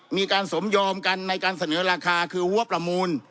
มีการสมยอมกันในการเสนอราคาคือหัวประมูล